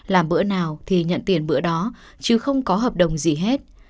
làm bữa nào thì nhận tiền bữa đó chứ không có hợp đồng gì hết